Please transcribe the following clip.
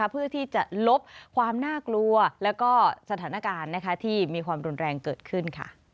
เพื่อที่จะลบความน่ากลัวแล้วก็สถานการณ์ที่มีความรุนแรงเกิดขึ้น